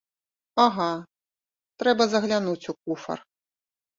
Ага, трэба заглянуць у куфар.